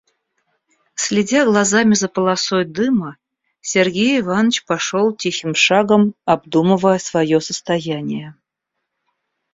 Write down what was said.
Следя глазами за полосой дыма, Сергей Иванович пошел тихим шагом, обдумывая свое состояние.